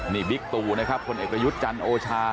นี่บิ๊กตูนะครับคนเอกประยุทธ์จันทร์โอชา